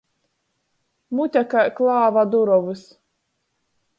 Mute kai klāva durovys.